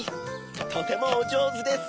とてもおじょうずです！